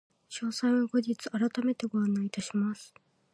詳細は後日改めてご案内いたします。